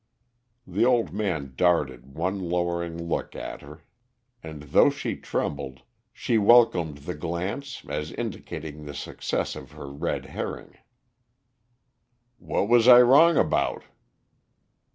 The old man darted one lowering look at her, and though she trembled, she welcomed the glance as indicating the success of her red herring. "What was I wrong about?"